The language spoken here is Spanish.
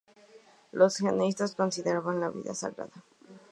Los jainistas consideran la vida sagrada.